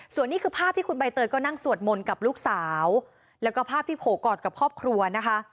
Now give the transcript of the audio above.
ส่วนนี้คือภาพที่คุณใบเตยก็นั่งสวดมนต์กับลูกสาวแล้วก็ภาพที่โผล่กอดกับครอบครัวนะคะ